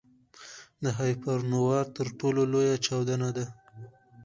د هایپرنووا تر ټولو لویه چاودنه ده.